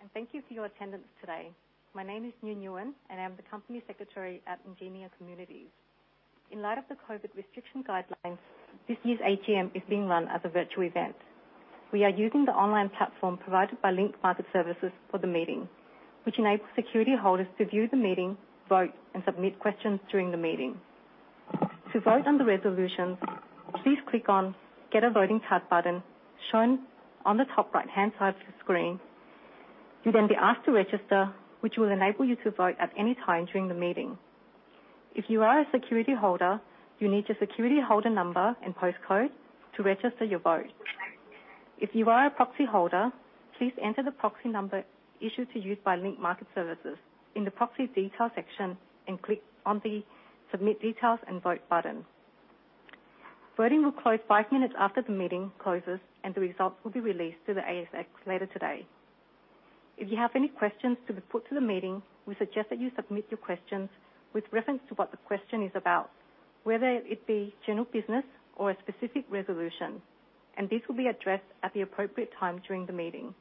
Hello, and thank you for your attendance today. My name is Nhu Nguyen, and I'm the Company Secretary at Ingenia Communities. In light of the COVID restriction guidelines, this year's AGM is being run as a virtual event. We are using the online platform provided by Link Market Services for the meeting, which enables security holders to view the meeting, vote, and submit questions during the meeting. To vote on the resolutions, please click on Get a Voting Card button shown on the top right-hand side of your screen. You'll then be asked to register, which will enable you to vote at any time during the meeting. If you are a security holder, you need your security holder number and postcode to register your vote. If you are a proxy holder, please enter the proxy number issued to you by Link Market Services in the proxy details section and click on the Submit Details and Vote button. Voting will close five minutes after the meeting closes, and the results will be released to the ASX later today. If you have any questions to be put to the meeting, we suggest that you submit your questions with reference to what the question is about, whether it be general business or a specific resolution, and this will be addressed at the appropriate time during the meeting.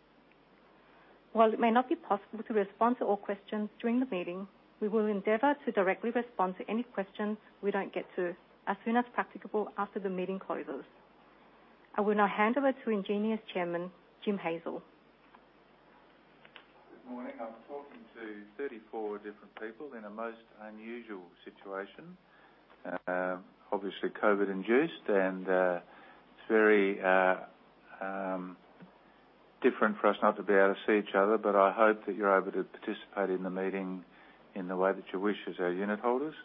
While it may not be possible to respond to all questions during the meeting, we will endeavor to directly respond to any questions we don't get to as soon as practicable after the meeting closes. I will now hand over to Ingenia's Chairman, Jim Hazel. Good morning. I'm talking to 34 different people in a most unusual situation, obviously COVID induced. It's very different for us not to be able to see each other, but I hope that you're able to participate in the meeting in the way that you wish as our unit holders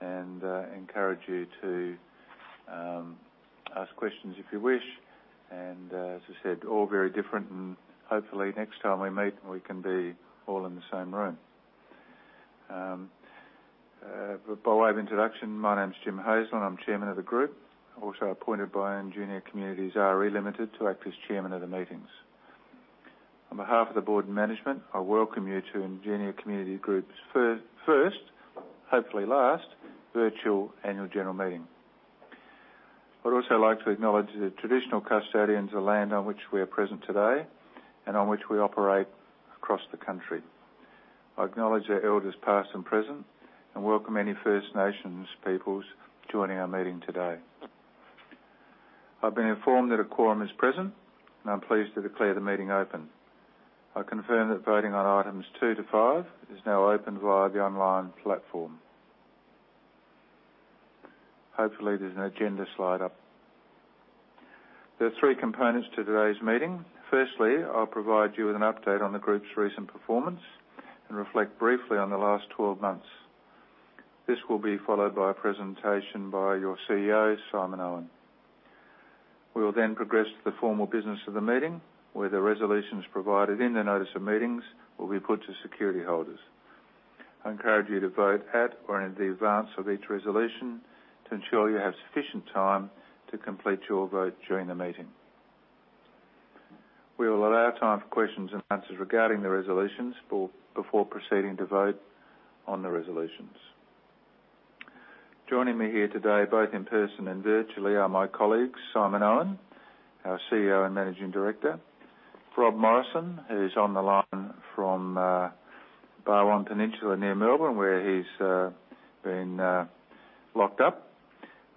and encourage you to ask questions if you wish. As I said, all very different, and hopefully next time we meet, we can be all in the same room. By way of introduction, my name's Jim Hazel, and I'm Chairman of the group, also appointed by Ingenia Communities RE Limited to act as Chairman of the meetings. On behalf of the board and management, I welcome you to Ingenia Communities Group's first, hopefully last, virtual annual general meeting. I'd also like to acknowledge the traditional custodians of the land on which we are present today and on which we operate across the country. I acknowledge their elders, past and present, and welcome any First Nations peoples joining our meeting today. I've been informed that a quorum is present, and I'm pleased to declare the meeting open. I confirm that voting on items two to five is now open via the online platform. Hopefully, there's an agenda slide up. There are three components to today's meeting. Firstly, I'll provide you with an update on the group's recent performance and reflect briefly on the last 12 months. This will be followed by a presentation by your CEO, Simon Owen. We will then progress to the formal business of the meeting, where the resolutions provided in the notice of meetings will be put to security holders. I encourage you to vote at or in the advance of each resolution to ensure you have sufficient time to complete your vote during the meeting. We will allow time for questions and answers regarding the resolutions before proceeding to vote on the resolutions. Joining me here today, both in person and virtually, are my colleagues, Simon Owen, our CEO and Managing Director. Rob Morrison, who is on the line from Bellarine Peninsula near Melbourne, where he has been locked up.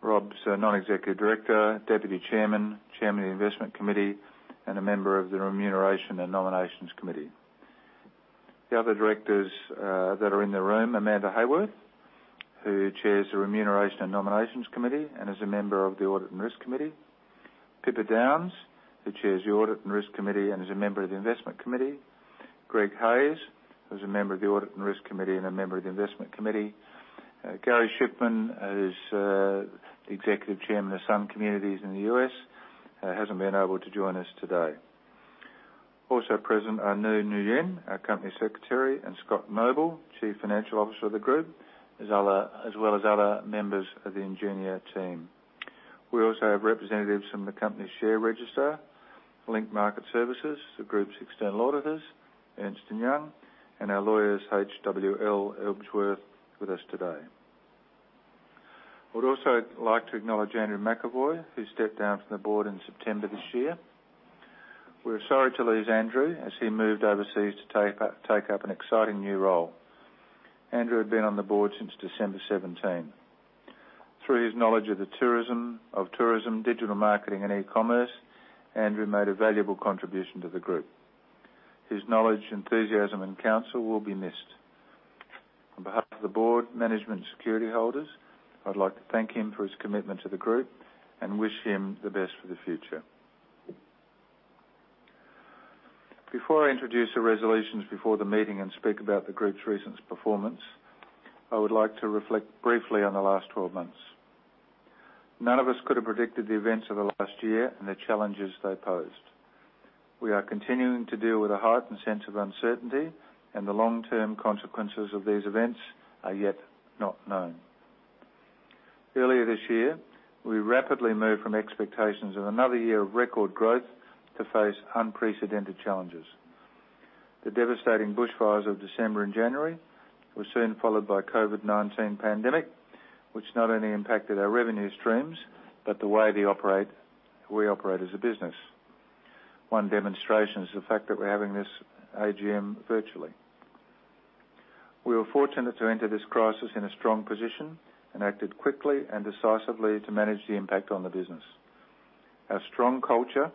Rob is a Non-Executive Director, Deputy Chairman of the Investment Committee, and a Member of the Remuneration and Nomination Committee. The other directors that are in the room, Amanda Heyworth, who Chairs the Remuneration and Nomination Committee and is a member of the Audit and Risk Committee. Pippa Downes, who Chairs the Audit and Risk Committee and is a member of the Investment Committee. Greg Hayes, who's a member of the Audit and Risk Committee and a member of the Investment Committee. Gary Shiffman, who's Executive Chairman of Sun Communities in the U.S., hasn't been able to join us today. Also present are Nhu Nguyen, our company secretary, and Scott Noble, Chief Financial Officer of the group, as well as other members of the Ingenia team. We also have representatives from the company share register, Link Market Services, the group's external auditors, Ernst & Young, and our lawyers, HWL Ebsworth, with us today. I would also like to acknowledge Andrew McEvoy, who stepped down from the board in September this year. We were sorry to lose Andrew as he moved overseas to take up an exciting new role. Andrew had been on the board since December 2017. Through his knowledge of tourism, digital marketing, and e-commerce, Andrew made a valuable contribution to the group. His knowledge, enthusiasm, and counsel will be missed. On behalf of the board, management, security holders, I'd like to thank him for his commitment to the group and wish him the best for the future. Before I introduce the resolutions before the meeting and speak about the group's recent performance, I would like to reflect briefly on the last 12 months. None of us could have predicted the events of the last year and the challenges they posed. We are continuing to deal with a heightened sense of uncertainty, and the long-term consequences of these events are yet not known. Earlier this year, we rapidly moved from expectations of another year of record growth to face unprecedented challenges. The devastating bushfires of December and January were soon followed by COVID-19 pandemic, which not only impacted our revenue streams, but the way we operate as a business. One demonstration is the fact that we're having this AGM virtually. We were fortunate to enter this crisis in a strong position and acted quickly and decisively to manage the impact on the business. Our strong culture,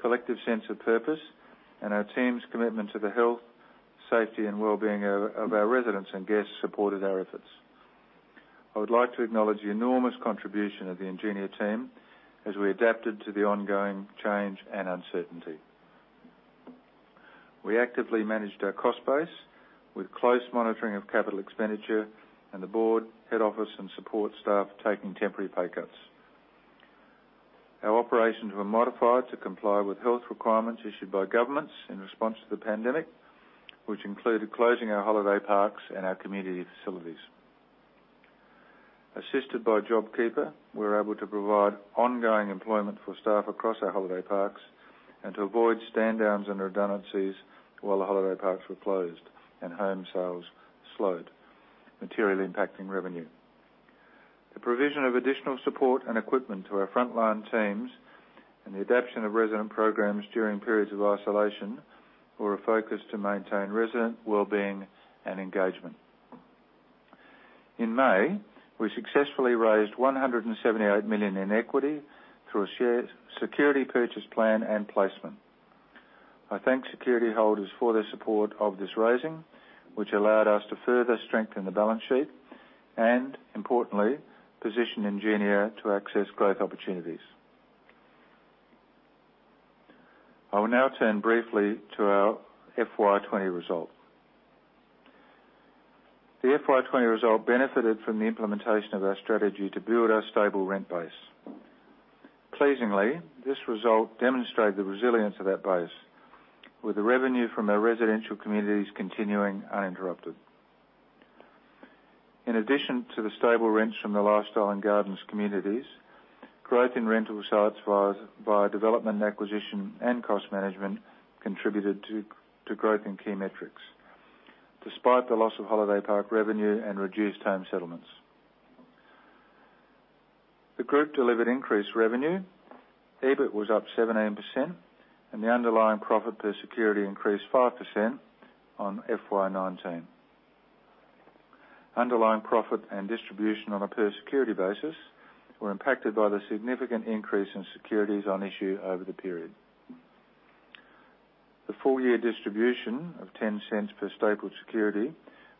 collective sense of purpose, and our team's commitment to the health, safety, and wellbeing of our residents and guests supported our efforts. I would like to acknowledge the enormous contribution of the Ingenia team as we adapted to the ongoing change and uncertainty. We actively managed our cost base with close monitoring of capital expenditure and the board, head office, and support staff taking temporary pay cuts. Our operations were modified to comply with health requirements issued by governments in response to the pandemic, which included closing our holiday parks and our community facilities. Assisted by JobKeeper, we were able to provide ongoing employment for staff across our holiday parks and to avoid stand downs and redundancies while the holiday parks were closed and home sales slowed, materially impacting revenue. The provision of additional support and equipment to our frontline teams and the adaption of resident programs during periods of isolation were a focus to maintain resident wellbeing and engagement. In May, we successfully raised 178 million in equity through a security purchase plan and placement. I thank security holders for their support of this raising, which allowed us to further strengthen the balance sheet, and importantly, position Ingenia to access growth opportunities. I will now turn briefly to our FY 2020 result. The FY 2020 result benefited from the implementation of our strategy to build our stable rent base. Pleasingly, this result demonstrated the resilience of that base with the revenue from our residential communities continuing uninterrupted. In addition to the stable rents from the Lifestyle and Gardens communities, growth in rental sites via development acquisition and cost management contributed to growth in key metrics despite the loss of holiday park revenue and reduced home settlements. The group delivered increased revenue. EBIT was up 17%, and the underlying profit per security increased 5% on FY 2019. Underlying profit and distribution on a per security basis were impacted by the significant increase in securities on issue over the period. The full-year distribution of 0.10 per stapled security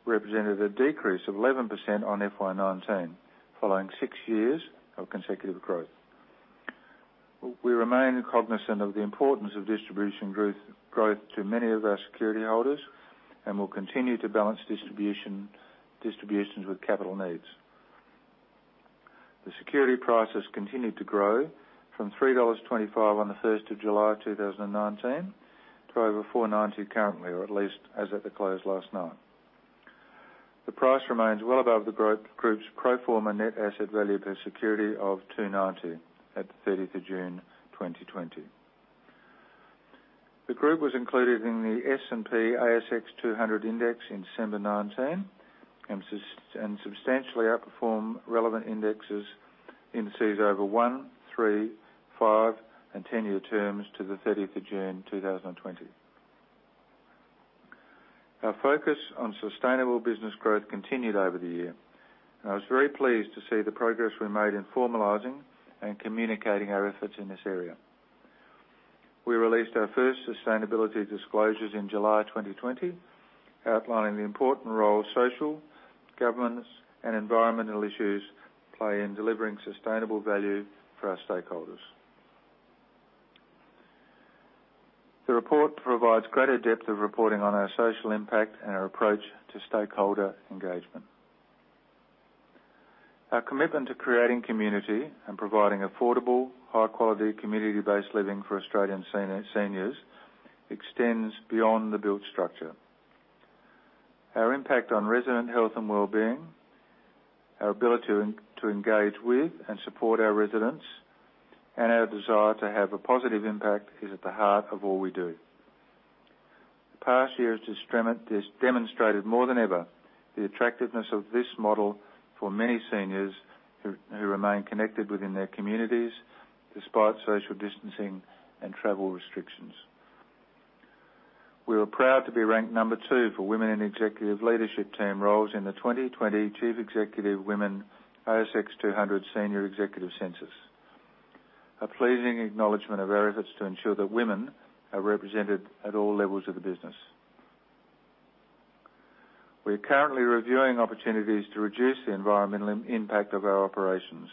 represented a decrease of 11% on FY 2019, following six years of consecutive growth. We remain cognizant of the importance of distribution growth to many of our security holders and will continue to balance distributions with capital needs. The security prices continued to grow from 3.25 dollars on the July 1st, 2019 to over 4.90 currently, or at least as at the close last night. The price remains well above the group's pro forma net asset value per security of 2.90 at the June 30th, 2020. The group was included in the S&P/ASX 200 in December 2019, and substantially outperformed relevant indexes over one, three, five, and 10-year terms to the June 30th, 2020. Our focus on sustainable business growth continued over the year. I was very pleased to see the progress we made in formalizing and communicating our efforts in this area. We released our first sustainability disclosures in July 2020, outlining the important role social, governance, and environmental issues play in delivering sustainable value for our stakeholders. The report provides greater depth of reporting on our social impact and our approach to stakeholder engagement. Our commitment to creating community and providing affordable, high-quality, community-based living for Australian seniors extends beyond the built structure. Our impact on resident health and wellbeing, our ability to engage with and support our residents, and our desire to have a positive impact is at the heart of all we do. The past year has demonstrated more than ever the attractiveness of this model for many seniors who remain connected within their communities despite social distancing and travel restrictions. We were proud to be ranked number two for women in executive leadership team roles in the 2020 Chief Executive Women ASX200 Senior Executive Census, a pleasing acknowledgement of our efforts to ensure that women are represented at all levels of the business. We are currently reviewing opportunities to reduce the environmental impact of our operations.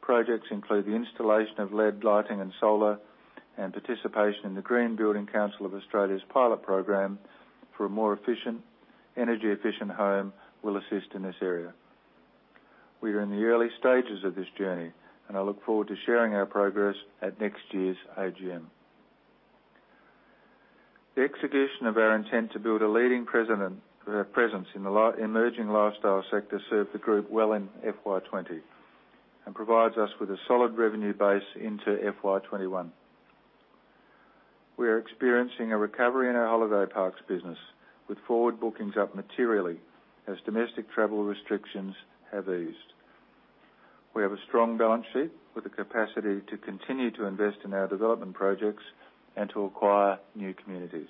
Projects include the installation of LED lighting and solar, and participation in the Green Building Council of Australia's pilot program for a more energy-efficient home will assist in this area. We are in the early stages of this journey, and I look forward to sharing our progress at next year's AGM. The execution of our intent to build a leading presence in the emerging lifestyle sector served the group well in FY 2020, and provides us with a solid revenue base into FY 2021. We are experiencing a recovery in our holiday parks business, with forward bookings up materially as domestic travel restrictions have eased. We have a strong balance sheet, with the capacity to continue to invest in our development projects and to acquire new communities.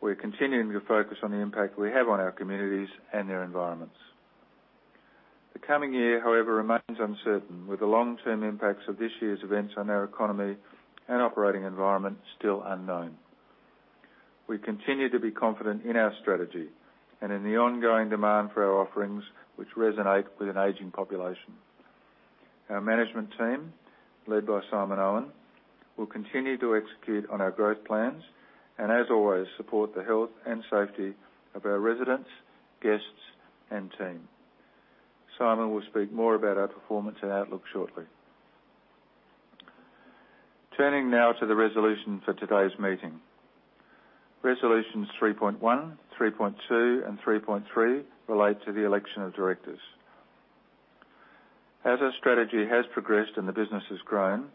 We're continuing to focus on the impact we have on our communities and their environments. The coming year, however, remains uncertain, with the long-term impacts of this year's events on our economy and operating environment still unknown. We continue to be confident in our strategy and in the ongoing demand for our offerings, which resonate with an aging population. Our management team, led by Simon Owen, will continue to execute on our growth plans, and as always, support the health and safety of our residents, guests, and team. Simon will speak more about our performance and outlook shortly. Turning now to the resolution for today's meeting. Resolutions 3.1, 3.2, and 3.3 relate to the election of directors. As our strategy has progressed and the business has grown,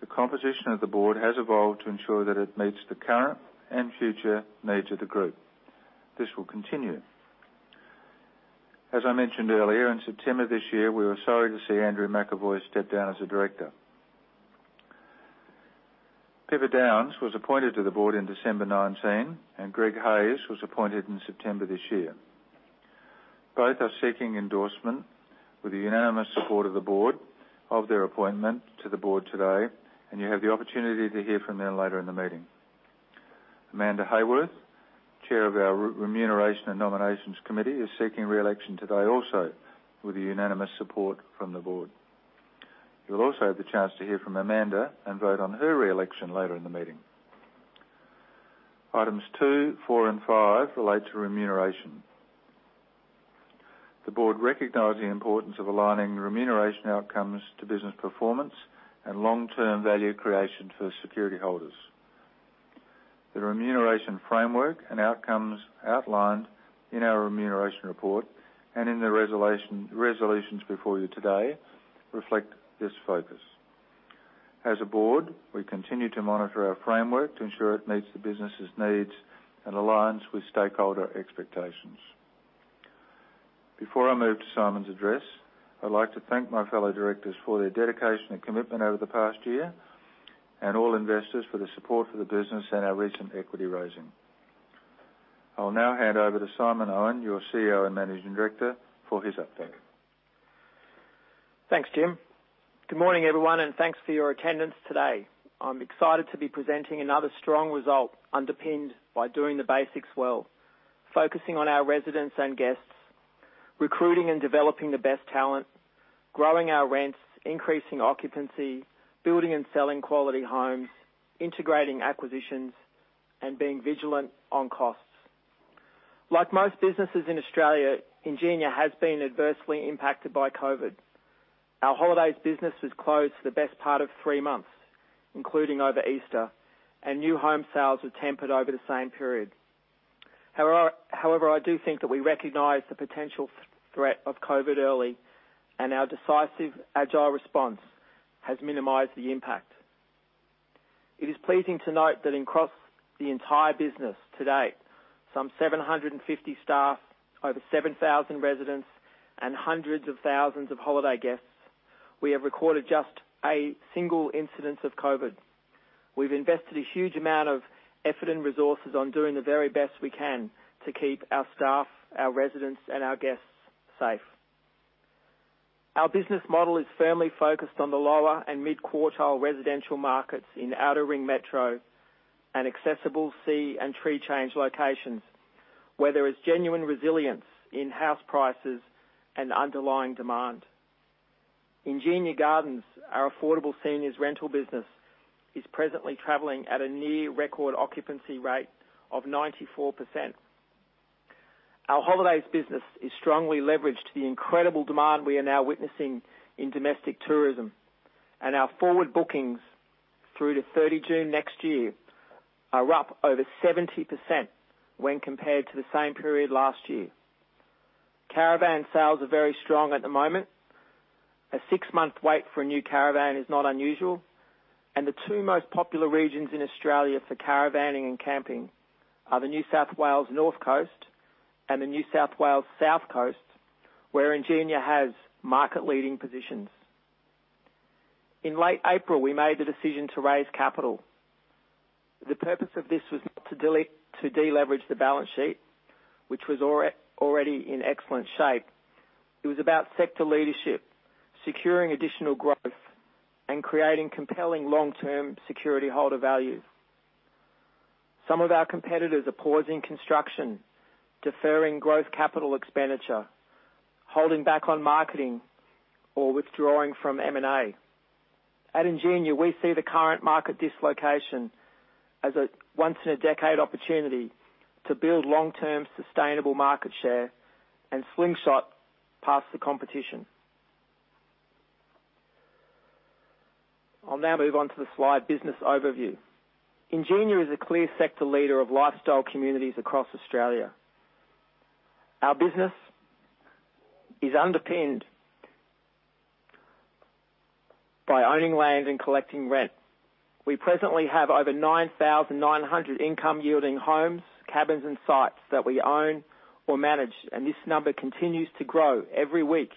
the composition of the board has evolved to ensure that it meets the current and future needs of the group. This will continue. As I mentioned earlier, in September this year, we were sorry to see Andrew McEvoy step down as a director. Pippa Downes was appointed to the board in December 2019, and Greg Hayes was appointed in September this year. Both are seeking endorsement, with the unanimous support of the board, of their appointment to the board today, and you have the opportunity to hear from them later in the meeting. Amanda Heyworth, Chair of our Remuneration and Nomination Committee, is seeking re-election today also, with the unanimous support from the board. You will also have the chance to hear from Amanda and vote on her re-election later in the meeting. Items two, four, and five relate to remuneration. The board recognize the importance of aligning remuneration outcomes to business performance and long-term value creation for security holders. The remuneration framework and outcomes outlined in our remuneration report and in the resolutions before you today reflect this focus. As a board, we continue to monitor our framework to ensure it meets the business' needs and aligns with stakeholder expectations. Before I move to Simon's address, I'd like to thank my fellow directors for their dedication and commitment over the past year, and all investors for the support of the business and our recent equity raising. I will now hand over to Simon Owen, your CEO and Managing Director, for his update. Thanks, Jim. Good morning, everyone, and thanks for your attendance today. I'm excited to be presenting another strong result underpinned by doing the basics well, focusing on our residents and guests, recruiting and developing the best talent, growing our rents, increasing occupancy, building and selling quality homes, integrating acquisitions, and being vigilant on costs. Like most businesses in Australia, Ingenia has been adversely impacted by COVID. Our holidays business was closed for the best part of three months, including over Easter, and new home sales were tempered over the same period. I do think that we recognized the potential threat of COVID early, and our decisive, agile response has minimized the impact. It is pleasing to note that across the entire business to date, some 750 staff, over 7,000 residents, and hundreds of thousands of holiday guests, we have recorded just a single incident of COVID. We've invested a huge amount of effort and resources on doing the very best we can to keep our staff, our residents, and our guests safe. Our business model is firmly focused on the lower and mid-quartile residential markets in outer-ring metro and accessible sea and tree-change locations, where there is genuine resilience in house prices and underlying demand. Ingenia Gardens, our affordable seniors rental business, is presently traveling at a near-record occupancy rate of 94%. Our holidays business is strongly leveraged to the incredible demand we are now witnessing in domestic tourism, and our forward bookings through to June 30 next year are up over 70% when compared to the same period last year. Caravan sales are very strong at the moment. A six-month wait for a new caravan is not unusual. The two most popular regions in Australia for caravaning and camping are the New South Wales North Coast and the New South Wales South Coast, where Ingenia has market-leading positions. In late April, we made the decision to raise capital. The purpose of this was not to deleverage the balance sheet, which was already in excellent shape. It was about sector leadership, securing additional growth, and creating compelling long-term security holder value. Some of our competitors are pausing construction, deferring growth capital expenditure, holding back on marketing, or withdrawing from M&A. At Ingenia, we see the current market dislocation as a once-in-a-decade opportunity to build long-term sustainable market share and slingshot past the competition. I'll now move on to the slide business overview. Ingenia is a clear sector leader of lifestyle communities across Australia. Our business is underpinned by owning land and collecting rent. We presently have over 9,900 income-yielding homes, cabins, and sites that we own or manage, and this number continues to grow every week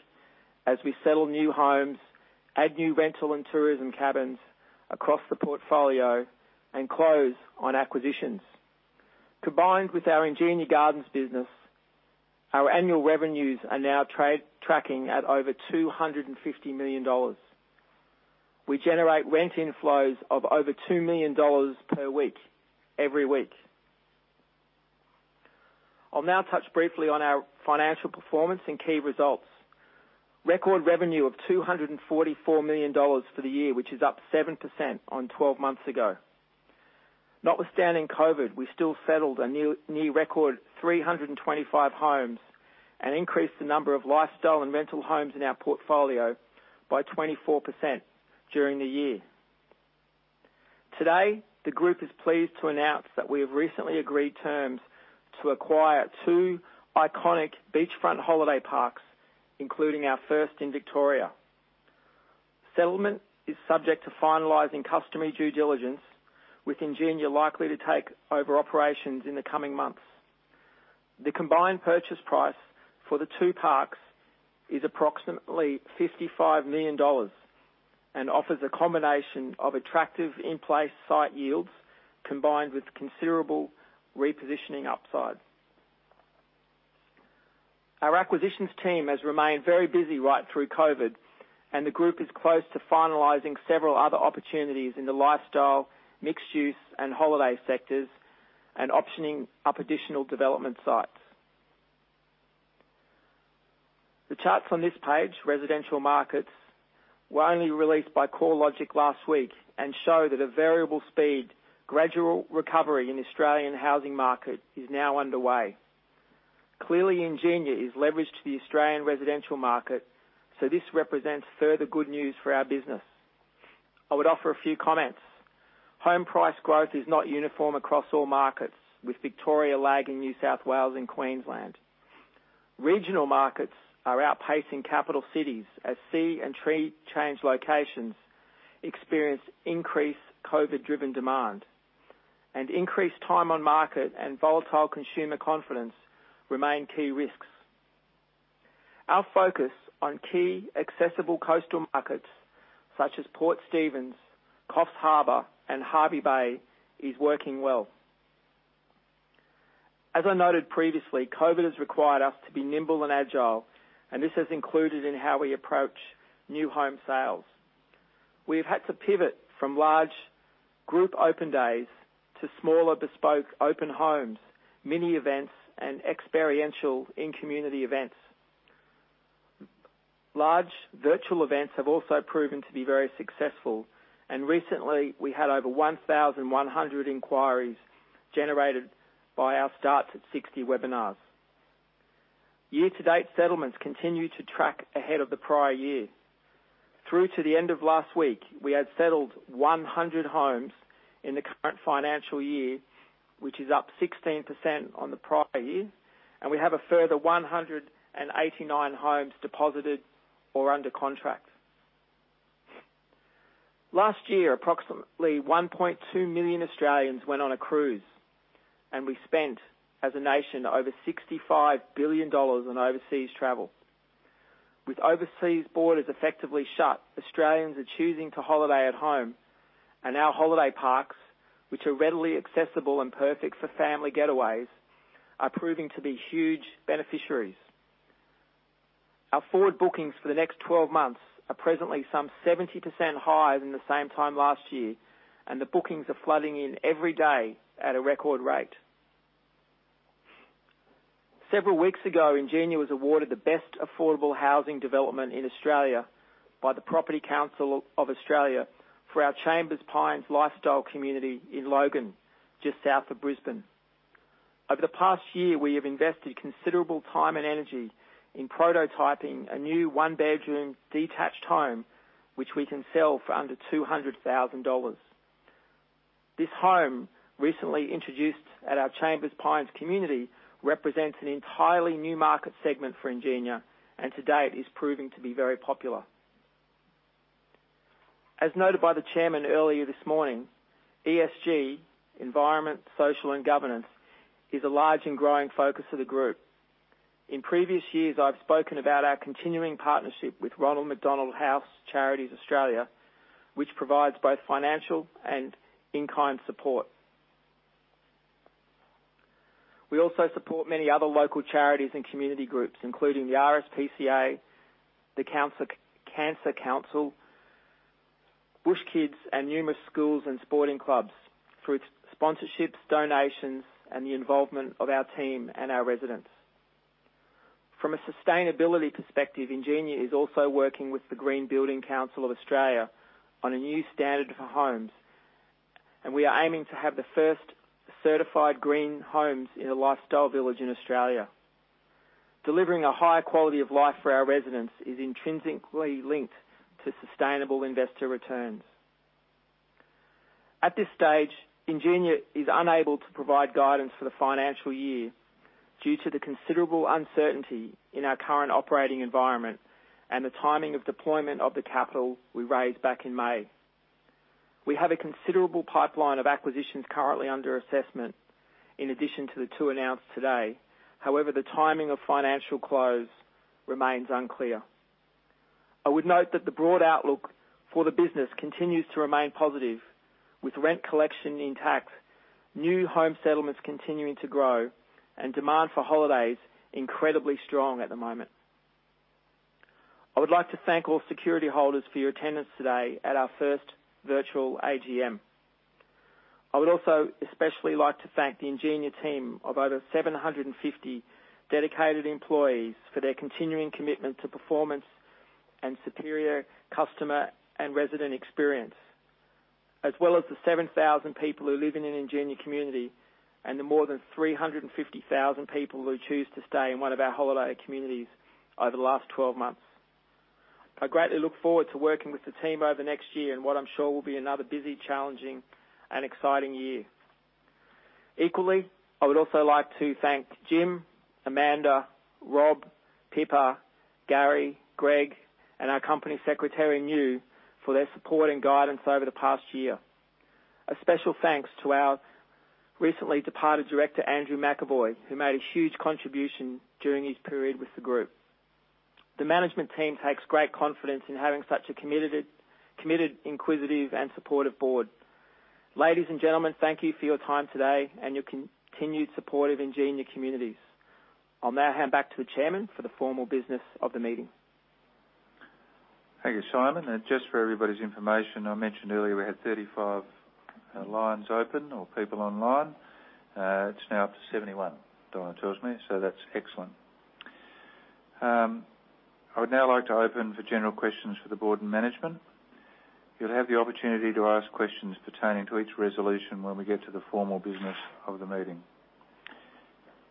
as we settle new homes, add new rental and tourism cabins across the portfolio, and close on acquisitions. Combined with our Ingenia Gardens business, our annual revenues are now tracking at over 250 million dollars. We generate rent inflows of over 2 million dollars per week, every week. I'll now touch briefly on our financial performance and key results. Record revenue of 244 million dollars for the year, which is up 7% on 12 months ago. Notwithstanding COVID, we still settled a new record 325 homes and increased the number of lifestyle and rental homes in our portfolio by 24% during the year. Today, the group is pleased to announce that we have recently agreed terms to acquire two iconic beachfront holiday parks, including our first in Victoria. Settlement is subject to finalizing customary due diligence, with Ingenia likely to take over operations in the coming months. The combined purchase price for the two parks is approximately 55 million dollars and offers a combination of attractive in-place site yields combined with considerable repositioning upside. Our acquisitions team has remained very busy right through COVID, and the group is close to finalizing several other opportunities in the lifestyle, mixed-use, and holiday sectors and optioning up additional development sites. The charts on this page, residential markets, were only released by CoreLogic last week and show that a variable speed, gradual recovery in the Australian housing market is now underway. Clearly, Ingenia is leveraged to the Australian residential market, so this represents further good news for our business. I would offer a few comments. Home price growth is not uniform across all markets, with Victoria lagging New South Wales and Queensland. Regional markets are outpacing capital cities as sea and tree change locations experience increased COVID-driven demand, and increased time on market and volatile consumer confidence remain key risks. Our focus on key accessible coastal markets such as Port Stephens, Coffs Harbour, and Hervey Bay is working well. As I noted previously, COVID has required us to be nimble and agile, and this is included in how we approach new home sales. We have had to pivot from large group open days to smaller bespoke open homes, mini events, and experiential in-community events. Large virtual events have also proven to be very successful. Recently, we had over 1,100 inquiries generated by our Starts at 60 webinars. Year-to-date settlements continue to track ahead of the prior year. Through to the end of last week, we had settled 100 homes in the current financial year, which is up 16% on the prior year. We have a further 189 homes deposited or under contract. Last year, approximately 1.2 million Australians went on a cruise. We spent, as a nation, over 65 billion dollars on overseas travel. With overseas borders effectively shut, Australians are choosing to holiday at home. Our holiday parks, which are readily accessible and perfect for family getaways, are proving to be huge beneficiaries. Our forward bookings for the next 12 months are presently some 70% higher than the same time last year, and the bookings are flooding in every day at a record rate. Several weeks ago, Ingenia was awarded the best affordable housing development in Australia by the Property Council of Australia for our Chambers Pines lifestyle community in Logan, just south of Brisbane. Over the past year, we have invested considerable time and energy in prototyping a new one-bedroom detached home, which we can sell for under 200,000 dollars. This home, recently introduced at our Chambers Pines community, represents an entirely new market segment for Ingenia, and to date is proving to be very popular. As noted by the Chairman earlier this morning, ESG, environment, social, and governance, is a large and growing focus of the group. In previous years, I've spoken about our continuing partnership with Ronald McDonald House Charities Australia, which provides both financial and in-kind support. We also support many other local charities and community groups, including the RSPCA, the Cancer Council, BUSHkids, and numerous schools and sporting clubs through sponsorships, donations, and the involvement of our team and our residents. From a sustainability perspective, Ingenia is also working with the Green Building Council of Australia on a new standard for homes, and we are aiming to have the first certified green homes in a lifestyle village in Australia. Delivering a high quality of life for our residents is intrinsically linked to sustainable investor returns. At this stage, Ingenia is unable to provide guidance for the financial year due to the considerable uncertainty in our current operating environment and the timing of deployment of the capital we raised back in May. We have a considerable pipeline of acquisitions currently under assessment, in addition to the two announced today. The timing of financial close remains unclear. I would note that the broad outlook for the business continues to remain positive, with rent collection intact, new home settlements continuing to grow, and demand for holidays incredibly strong at the moment. I would like to thank all security holders for your attendance today at our first virtual AGM. I would also especially like to thank the Ingenia team of over 750 dedicated employees for their continuing commitment to performance and superior customer and resident experience, as well as the 7,000 people who live in an Ingenia community and the more than 350,000 people who chose to stay in one of our holiday communities over the last 12 months. I greatly look forward to working with the team over the next year in what I'm sure will be another busy, challenging, and exciting year. I would also like to thank Jim, Amanda, Rob, Pippa, Gary, Greg, and our Company Secretary, Nhu, for their support and guidance over the past year. A special thanks to our recently departed Director, Andrew McEvoy, who made a huge contribution during his period with the Group. The management team takes great confidence in having such a committed, inquisitive, and supportive board. Ladies and gentlemen, thank you for your time today and your continued support of Ingenia Communities. I'll now hand back to the Chairman for the formal business of the meeting. Thank you, Simon. Just for everybody's information, I mentioned earlier we had 35 lines open or people online. It's now up to 71, Donna tells me, that's excellent. I would now like to open for general questions for the board and management. You'll have the opportunity to ask questions pertaining to each resolution when we get to the formal business of the meeting.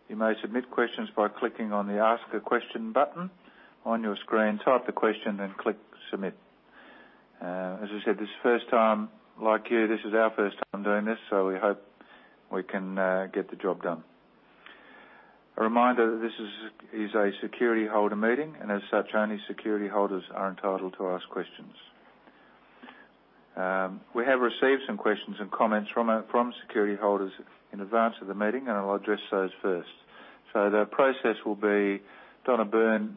You may submit questions by clicking on the Ask a Question button on your screen, type the question, then click Submit. As I said, this is the first time, like you, this is our first time doing this, we hope we can get the job done. A reminder that this is a security holder meeting, as such, only security holders are entitled to ask questions. We have received some questions and comments from security holders in advance of the meeting, and I'll address those first. The process will be Donna Byrne,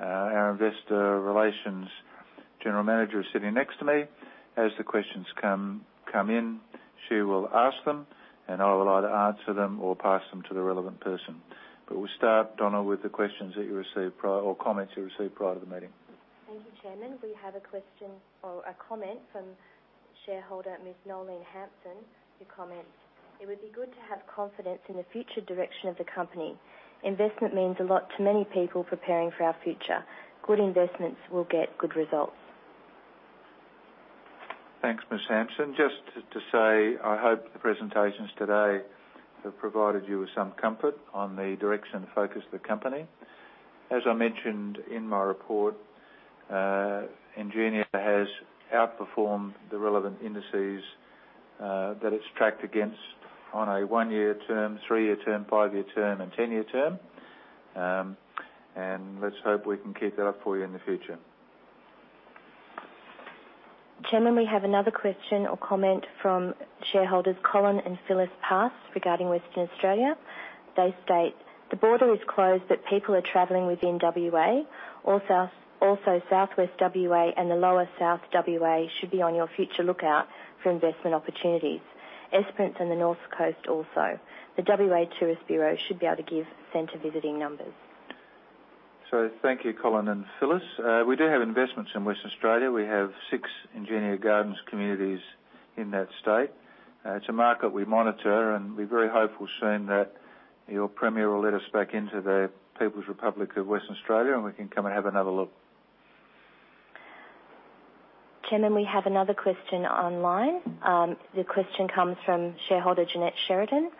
our Investor Relations General Manager, sitting next to me. As the questions come in, she will ask them, and I will either answer them or pass them to the relevant person. We'll start, Donna, with the questions that you received or comments you received prior to the meeting. Thank you, Chairman. We have a question or a comment from Shareholder Ms. [Noelene Hansen], who comments: It would be good to have confidence in the future direction of the company. Investment means a lot to many people preparing for our future. Good investments will get good results. Thanks, Ms. [Hansen]. Just to say, I hope the presentations today have provided you with some comfort on the direction and focus of the company. As I mentioned in my report, Ingenia has outperformed the relevant indices that it's tracked against on a one-year term, three-year term, five-year term, and 10-year term. Let's hope we can keep that up for you in the future. Chairman, we have another question or comment from Shareholders [Colin] and [Phyllis Pass] regarding Western Australia. They state: The border is closed, but people are traveling within WA. Also, southwest WA and the lower south WA should be on your future lookout for investment opportunities. Esperance and the north coast also. The WA should be able to give Center visiting numbers. Thank you, [Colin] and [Phyllis]. We do have investments in Western Australia. We have six Ingenia Gardens communities in that state. It's a market we monitor, and we very hope will soon that your premier will let us back into the People's Republic of Western Australia, and we can come and have another look. Chairman, we have another question online. The question comes from Shareholder [Jeanette Sheridan].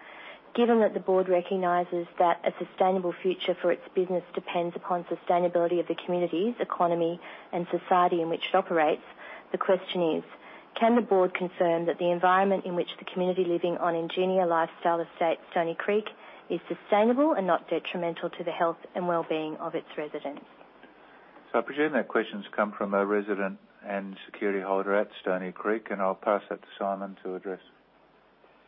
Given that the board recognizes that a sustainable future for its business depends upon sustainability of the communities, economy, and society in which it operates, the question is: Can the board confirm that the environment in which the community living on Ingenia Lifestyle Estate, Stoney Creek, is sustainable and not detrimental to the health and well-being of its residents? I presume that question's come from a resident and security holder at Stoney Creek, and I'll pass that to Simon to address.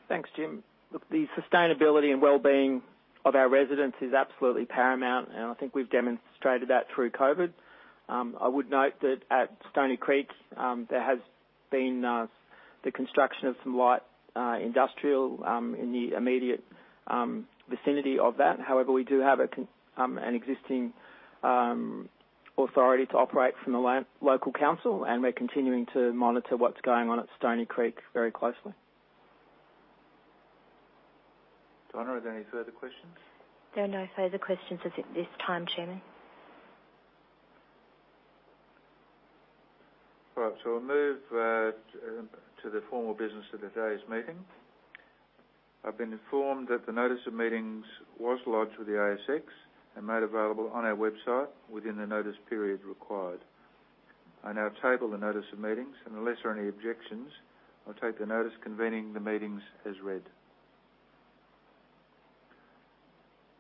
Thanks, Jim. Look, the sustainability and well-being of our residents is absolutely paramount, and I think we've demonstrated that through COVID. I would note that at Stoney Creek, there has been the construction of some light industrial in the immediate vicinity of that. However, we do have an existing authority to operate from the local council, and we're continuing to monitor what's going on at Stoney Creek very closely. Donna, are there any further questions? There are no further questions as of this time, Chairman. Right. We'll move to the formal business of today's meeting. I've been informed that the notice of meetings was lodged with the ASX and made available on our website within the notice period required. I now table the notice of meetings, and unless there are any objections, I'll take the notice convening the meetings as read.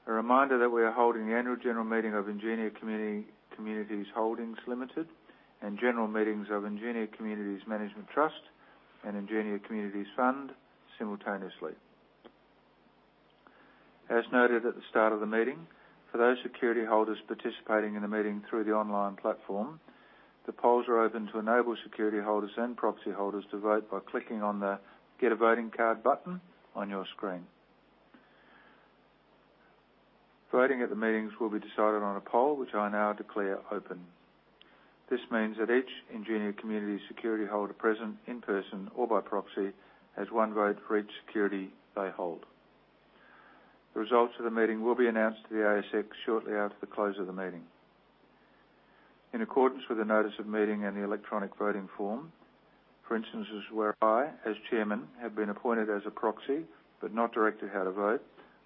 A reminder that we are holding the annual general meeting of Ingenia Communities Holdings Limited and general meetings of Ingenia Communities Management Trust and Ingenia Communities Fund simultaneously. As noted at the start of the meeting, for those security holders participating in the meeting through the online platform, the polls are open to enable security holders and proxy holders to vote by clicking on the Get A Voting Card button on your screen. Voting at the meetings will be decided on a poll, which I now declare open. This means that each Ingenia Communities security holder present in person or by proxy has one vote for each security they hold. The results of the meeting will be announced to the ASX shortly after the close of the meeting. In accordance with the notice of meeting and the electronic voting form, for instances where I, as chairman, have been appointed as a proxy but not directed how to vote,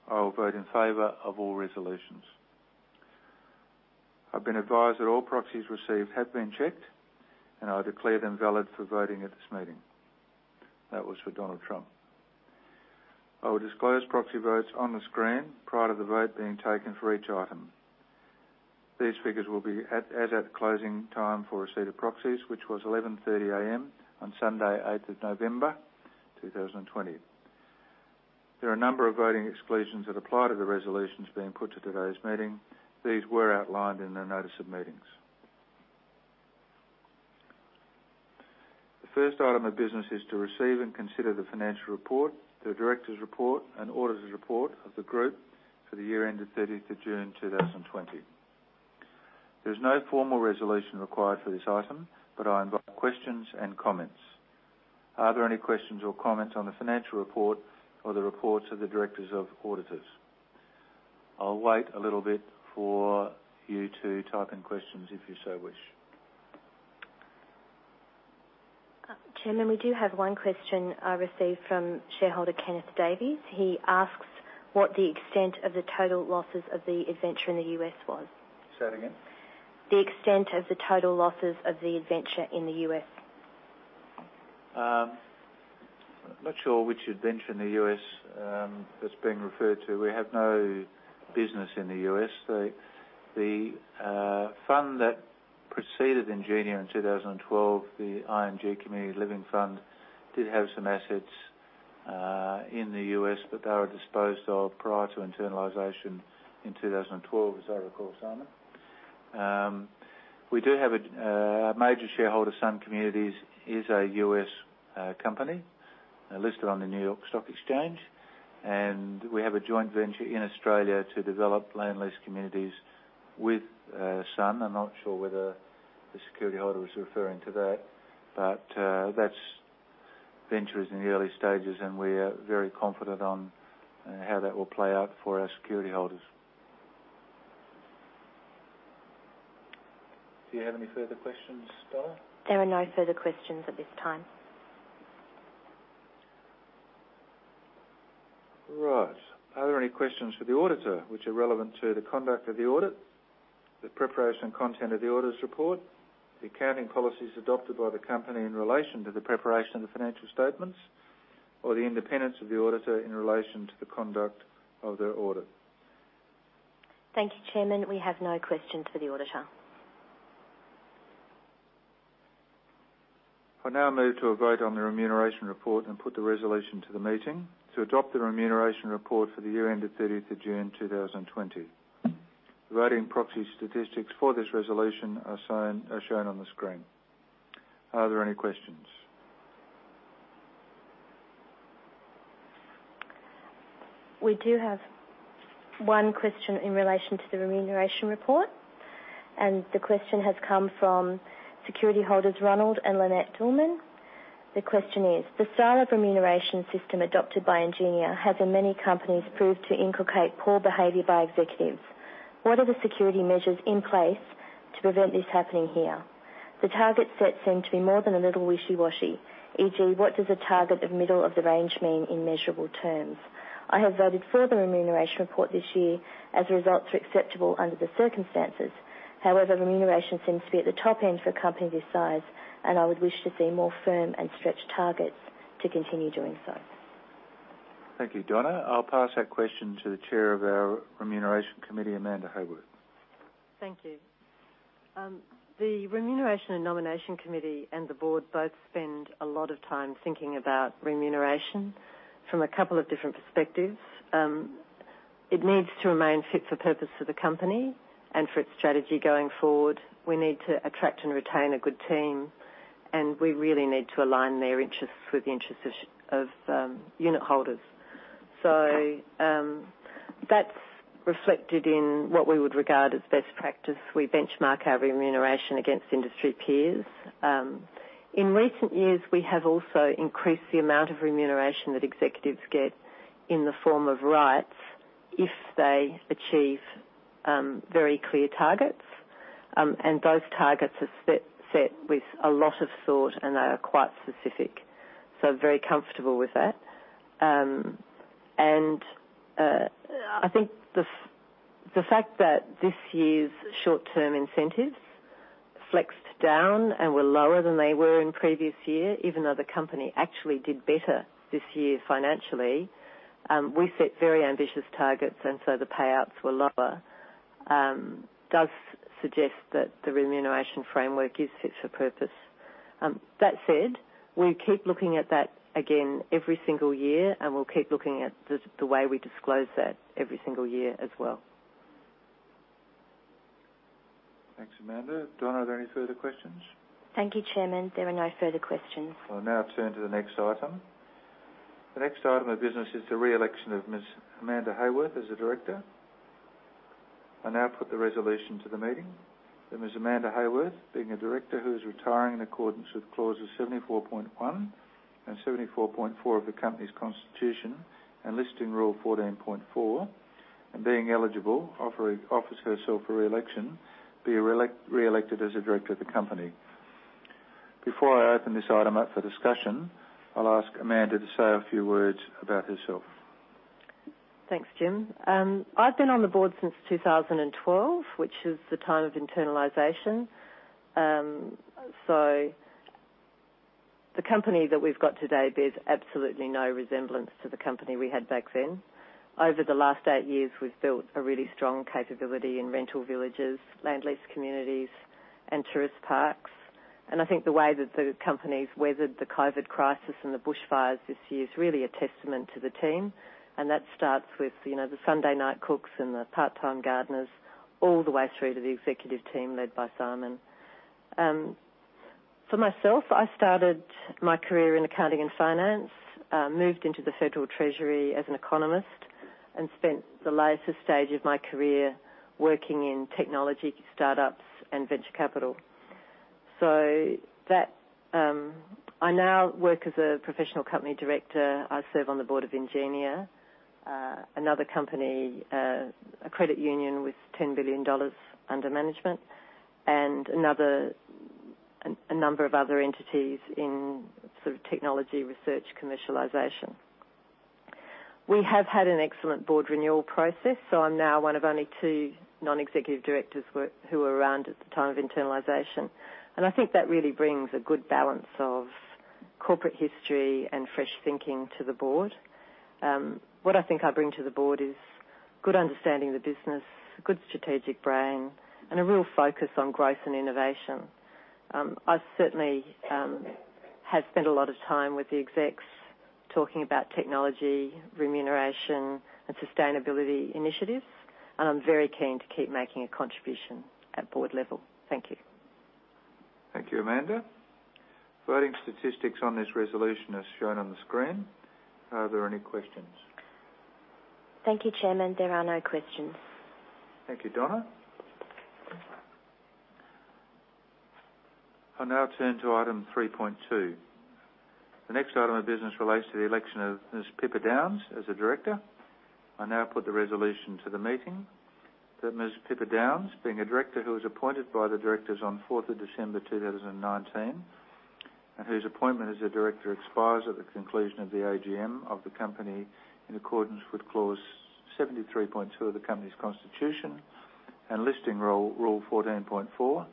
I will vote in favor of all resolutions. I've been advised that all proxies received have been checked, and I declare them valid for voting at this meeting. That was for Donald Trump. I will disclose proxy votes on the screen prior to the vote being taken for each item. These figures will be as at closing time for receipt of proxies, which was 11:30 A.M. on Sunday, November 8th, 2020. There are a number of voting exclusions that apply to the resolutions being put to today's meeting. These were outlined in the notice of meetings. The first item of business is to receive and consider the financial report, the directors' report, and auditors' report of the group for the year ended of June 30, 2020. There's no formal resolution required for this item, but I invite questions and comments. Are there any questions or comments on the financial report or the reports of the directors of auditors? I'll wait a little bit for you to type in questions if you so wish. Chairman, we do have one question I received from Shareholder [Kenneth Davies]. He asks: What the extent of the total losses of the adventure in the U.S. was? Say that again. The extent of the total losses of the adventure in the U.S? I'm not sure which adventure in the U.S. that's being referred to. We have no business in the U.S.. The fund that preceded Ingenia in 2012, the ING Community Living Fund, did have some assets in the U.S., but they were disposed of prior to internalization in 2012, as I recall, Simon. We do have a major shareholder, Sun Communities, is a U.S. company listed on the New York Stock Exchange, and we have a joint venture in Australia to develop land lease communities with Sun. I'm not sure whether the security holder was referring to that. That venture is in the early stages, and we are very confident on how that will play out for our security holders. Do you have any further questions, Donna? There are no further questions at this time. Are there any questions for the auditor which are relevant to the conduct of the audit, the preparation and content of the auditor's report, the accounting policies adopted by the company in relation to the preparation of the financial statements, or the independence of the auditor in relation to the conduct of their audit? Thank you, Chairman. We have no questions for the auditor. I now move to a vote on the remuneration report and put the resolution to the meeting to adopt the remuneration report for the year ended June 30th, 2020. The voting proxy statistics for this resolution are shown on the screen. Are there any questions? We do have one question in relation to the remuneration report, and the question has come from Security Holders [Ronald] and [Lynette Tillman]. The question is: The style of remuneration system adopted by Ingenia has in many companies proved to inculcate poor behavior by executives. What are the security measures in place to prevent this happening here? The target sets seem to be more than a little wishy-washy, e.g., what does a target of middle of the range mean in measurable terms? I have voted for the remuneration report this year as the results are acceptable under the circumstances. However, remuneration seems to be at the top end for a company this size, and I would wish to see more firm and stretched targets to continue doing so. Thank you, Donna. I'll pass that question to the Chair of our Remuneration and Nomination Committee Amanda Heyworth. Thank you. The Remuneration and Nomination Committee and the board both spend a lot of time thinking about remuneration from a couple of different perspectives. It needs to remain fit for purpose for the company and for its strategy going forward. We need to attract and retain a good team. We really need to align their interests with the interests of unit holders. That's reflected in what we would regard as best practice. We benchmark our remuneration against industry peers. In recent years, we have also increased the amount of remuneration that executives get in the form of rights if they achieve very clear targets. Those targets are set with a lot of thought, and they are quite specific. Very comfortable with that. I think the fact that this year's short-term incentives flexed down and were lower than they were in the previous year, even though the company actually did better this year financially, we set very ambitious targets, and so the payouts were lower, does suggest that the remuneration framework is fit for purpose. That said, we keep looking at that again every single year, and we'll keep looking at the way we disclose that every single year as well. Thanks, Amanda. Donna, are there any further questions? Thank you, Chairman. There are no further questions. I'll now turn to the next item. The next item of business is the reelection of Ms. Amanda Heyworth as a Director. I now put the resolution to the meeting. That Ms. Amanda Heyworth, being a Director who is retiring in accordance with Clauses 74.1 and 74.4 of the company's constitution and Listing Rule 14.4, and being eligible, offers herself for reelection, be re-elected as a director of the company. Before I open this item up for discussion, I'll ask Amanda to say a few words about herself. Thanks, Jim. I've been on the board since 2012, which is the time of internalization. The company that we've got today bears absolutely no resemblance to the company we had back then. Over the last eight years, we've built a really strong capability in rental villages, land lease communities, and tourist parks. I think the way that the company's weathered the COVID crisis and the bushfires this year is really a testament to the team, and that starts with the Sunday night cooks and the part-time gardeners, all the way through to the executive team led by Simon. For myself, I started my career in accounting and finance, moved into The Treasury as an economist, and spent the latter stage of my career working in technology startups and venture capital. I now work as a professional company director. I serve on the board of Ingenia, another company, a credit union with 10 billion dollars under management, and a number of other entities in technology research commercialization. We have had an excellent board renewal process, so I'm now one of only two non-executive directors who were around at the time of internalization. I think that really brings a good balance of corporate history and fresh thinking to the board. What I think I bring to the board is a good understanding of the business, a good strategic brain, and a real focus on growth and innovation. I certainly have spent a lot of time with the execs talking about technology, remuneration, and sustainability initiatives, and I'm very keen to keep making a contribution at board level. Thank you. Thank you, Amanda. Voting statistics on this resolution are shown on the screen. Are there any questions? Thank you, Chairman. There are no questions. Thank you, Donna. I now turn to item 3.2. The next item of business relates to the election of Ms. Pippa Downes as a Director. I now put the resolution to the meeting. That Ms. Pippa Downes, being a Director who was appointed by the directors on December 4th, 2019, and whose appointment as a director expires at the conclusion of the AGM of the company in accordance with Clause 73.2 of the company's constitution and Listing Rule 14.4,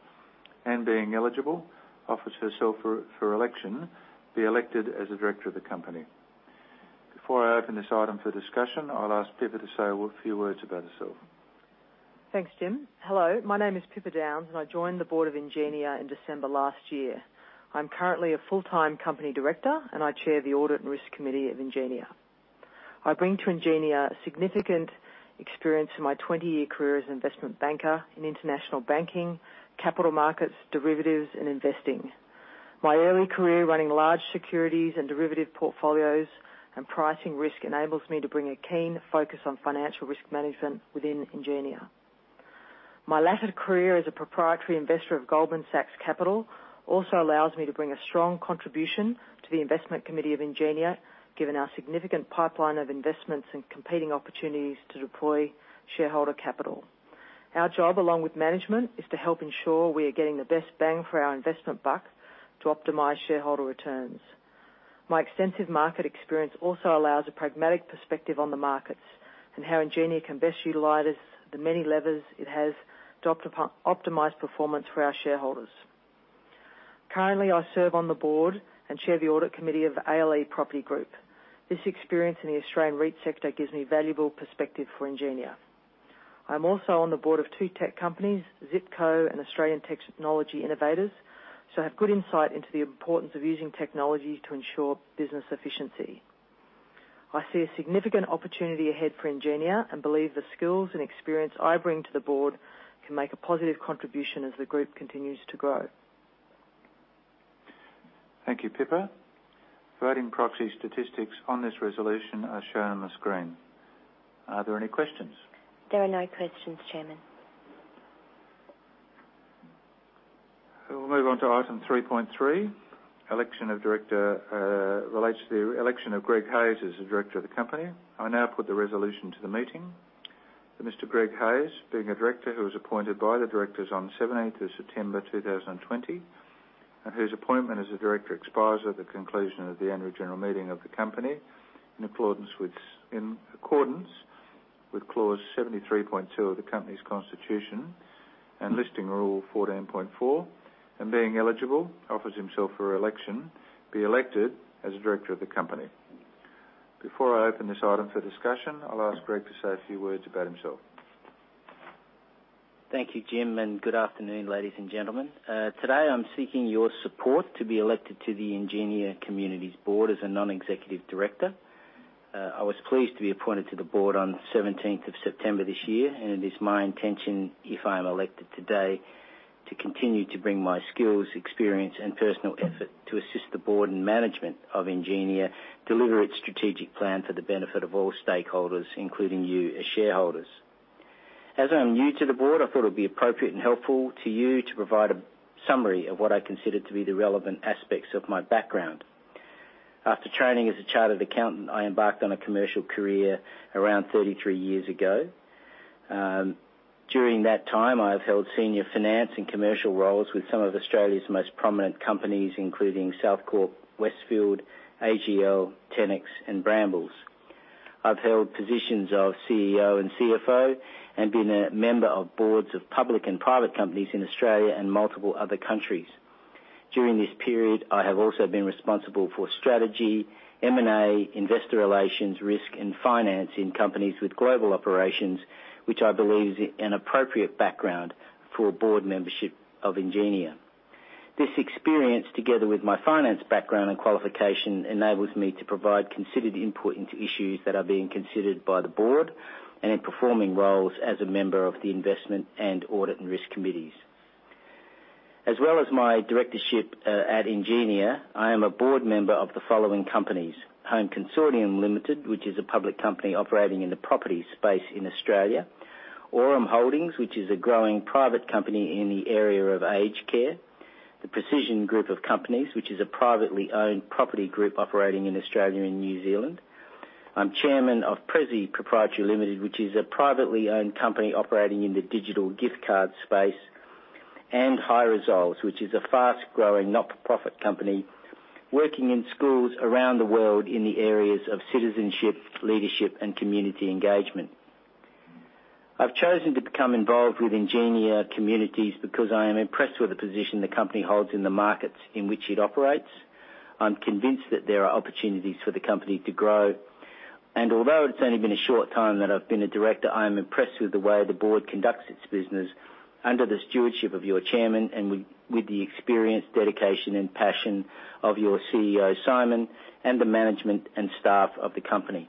and being eligible, offers herself for election, be elected as a director of the company. Before I open this item for discussion, I'll ask Pippa to say a few words about herself. Thanks, Jim. Hello, my name is Pippa Downes. I joined the board of Ingenia in December last year. I'm currently a full-time company Director. I chair the Audit and Risk Committee of Ingenia. I bring to Ingenia significant experience in my 20-year career as an investment banker in international banking, capital markets, derivatives, and investing. My early career running large securities and derivative portfolios and pricing risk enables me to bring a keen focus on financial risk management within Ingenia. My latter career as a proprietary investor of Goldman Sachs Capital Partners also allows me to bring a strong contribution to the investment committee of Ingenia, given our significant pipeline of investments and competing opportunities to deploy shareholder capital. Our job, along with management, is to help ensure we are getting the best bang for our investment buck to optimize shareholder returns. My extensive market experience also allows a pragmatic perspective on the markets and how Ingenia can best utilize the many levers it has to optimize performance for our shareholders. Currently, I serve on the board and Chair the Audit Committee of ALE Property Group. This experience in the Australian REIT sector gives me valuable perspective for Ingenia. I'm also on the board of two tech companies, Zip Co and Australian Technology Innovators, so I have good insight into the importance of using technology to ensure business efficiency. I see a significant opportunity ahead for Ingenia and believe the skills and experience I bring to the board can make a positive contribution as the group continues to grow. Thank you, Pippa. Voting proxy statistics on this resolution are shown on the screen. Are there any questions? There are no questions, Chairman. We'll move on to Item 3.3, election of director, relates to the election of Greg Hayes as a Director of the company. I now put the resolution to the meeting that Mr. Greg Hayes, being a Director who was appointed by the directors on the September 17th, 2020, and whose appointment as a director expires at the conclusion of the annual general meeting of the company in accordance with Clause 73.2 of the company's constitution and Listing Rule 14.4, and being eligible, offers himself for election, be elected as a director of the company. Before I open this item for discussion, I'll ask Greg to say a few words about himself. Thank you, Jim. Good afternoon, ladies and gentlemen. Today, I'm seeking your support to be elected to the Ingenia Communities board as a Non-Executive Director. I was pleased to be appointed to the board on the September 17th, this year. It is my intention, if I am elected today, to continue to bring my skills, experience, and personal effort to assist the board and management of Ingenia deliver its strategic plan for the benefit of all stakeholders, including you as shareholders. As I am new to the board, I thought it would be appropriate and helpful to you to provide a summary of what I consider to be the relevant aspects of my background. After training as a chartered accountant, I embarked on a commercial career around 33 years ago. During that time, I have held Senior Finance and commercial roles with some of Australia's most prominent companies, including Southcorp, Westfield, AGL, Tenix, and Brambles. I've held positions of CEO and CFO and been a member of boards of public and private companies in Australia and multiple other countries. During this period, I have also been responsible for strategy, M&A, investor relations, risk, and finance in companies with global operations, which I believe is an appropriate background for a board membership of Ingenia. This experience, together with my finance background and qualification, enables me to provide considered input into issues that are being considered by the board and in performing roles as a Member of the Investment and Audit and Risk Committees. As well as my directorship at Ingenia, I am a board member of the following companies. Home Consortium Limited, which is a public company operating in the property space in Australia. Aurrum Holdings, which is a growing private company in the area of aged care. The Precision Group of Companies, which is a privately owned property group operating in Australia and New Zealand. I'm chairman of Prezzee Pty Ltd, which is a privately owned company operating in the digital gift card space, and High Resolves, which is a fast-growing, not-for-profit company working in schools around the world in the areas of citizenship, leadership, and community engagement. I've chosen to become involved with Ingenia Communities because I am impressed with the position the company holds in the markets in which it operates. I'm convinced that there are opportunities for the company to grow. Although it's only been a short time that I've been a director, I am impressed with the way the board conducts its business under the stewardship of your chairman and with the experience, dedication, and passion of your CEO, Simon, and the management and staff of the company.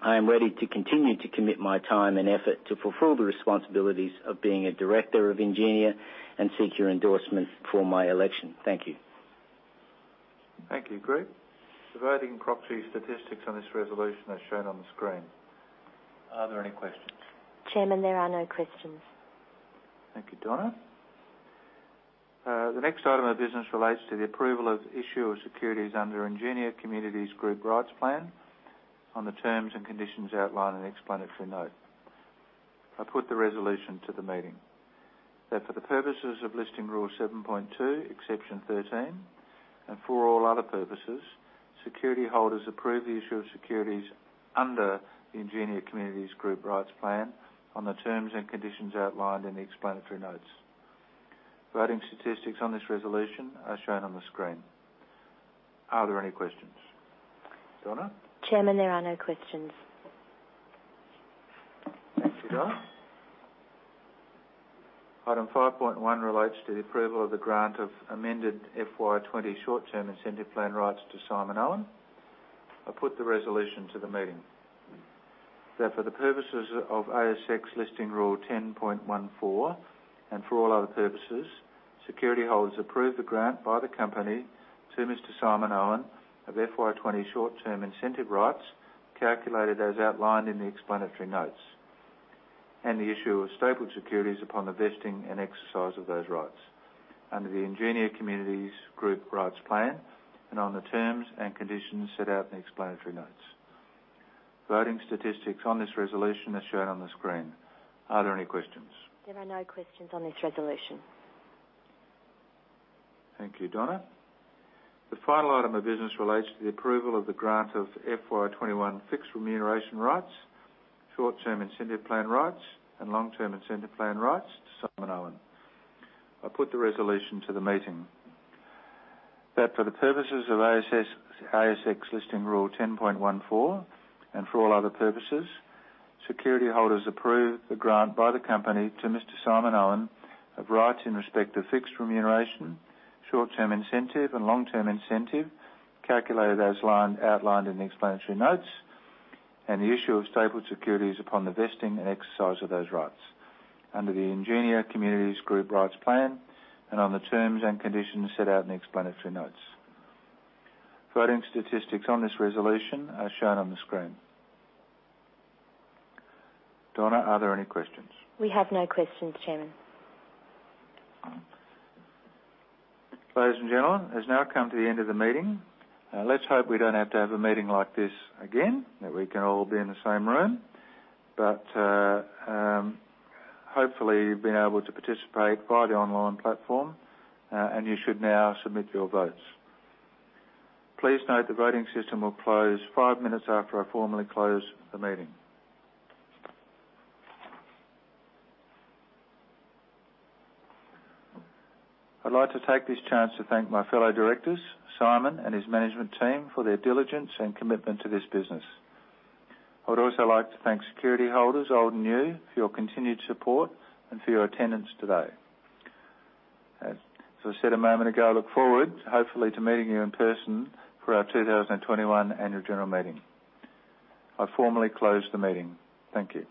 I am ready to continue to commit my time and effort to fulfill the responsibilities of being a director of Ingenia and seek your endorsement for my election. Thank you. Thank you, Greg. The voting proxy statistics on this resolution are shown on the screen. Are there any questions? Chairman, there are no questions. Thank you, Donna. The next item of business relates to the approval of the issue of securities under Ingenia Communities Group Rights Plan on the terms and conditions outlined in the explanatory note. I put the resolution to the meeting that for the purposes of Listing Rule 7.2, exception 13, and for all other purposes, security holders approve the issue of securities under the Ingenia Communities Group Rights Plan on the terms and conditions outlined in the explanatory notes. Voting statistics on this resolution are shown on the screen. Are there any questions? Donna? Chairman, there are no questions. Thank you, Donna. Item 5.1 relates to the approval of the grant of amended FY 2020 short-term incentive plan rights to Simon Owen. I put the resolution to the meeting that for the purposes of ASX Listing Rule 10.14, and for all other purposes, security holders approve the grant by the company to Mr. Simon Owen of FY 2020 short-term incentive rights, calculated as outlined in the explanatory notes, and the issue of stapled securities upon the vesting and exercise of those rights under the Ingenia Communities Group Rights Plan and on the terms and conditions set out in the explanatory notes. Voting statistics on this resolution are shown on the screen. Are there any questions? There are no questions on this resolution. Thank you, Donna. The final item of business relates to the approval of the grant of FY 2021 fixed remuneration rights, short-term incentive plan rights, and long-term incentive plan rights to Simon Owen. I put the resolution to the meeting that for the purposes of ASX Listing Rule 10.14, and for all other purposes, security holders approve the grant by the company to Mr. Simon Owen of rights in respect of fixed remuneration, short-term incentive, and long-term incentive, calculated as outlined in the explanatory notes, and the issue of stapled securities upon the vesting and exercise of those rights under the Ingenia Communities Group Rights Plan and on the terms and conditions set out in the explanatory notes. Voting statistics on this resolution are shown on the screen. Donna, are there any questions? We have no questions, Chairman. Ladies and gentlemen, it has now come to the end of the meeting. Let's hope we don't have to have a meeting like this again, that we can all be in the same room. Hopefully, you've been able to participate via the online platform, and you should now submit your votes. Please note the voting system will close five minutes after I formally close the meeting. I'd like to take this chance to thank my fellow directors, Simon and his management team, for their diligence and commitment to this business. I would also like to thank security holders, old and new, for your continued support and for your attendance today. As I said a moment ago, I look forward, hopefully, to meeting you in person for our 2021 annual general meeting. I formally close the meeting. Thank you.